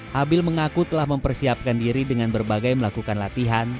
habil mengaku telah mempersiapkan diri dengan berbagai melakukan latihan